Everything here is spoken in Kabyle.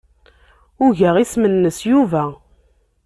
Ugaɣ isem-nnes Yuba.